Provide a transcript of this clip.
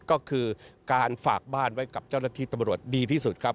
ก็คือการฝากบ้านไว้กับเจ้าหน้าที่ตำรวจดีที่สุดครับ